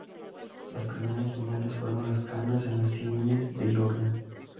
Las primeras señales fueron las canas en las sienes de Jordan.